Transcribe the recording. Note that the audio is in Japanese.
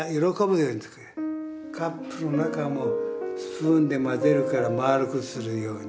カップの中もスプーンで混ぜるから丸くするように。